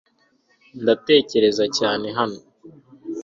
Ndatekereza cyane hano .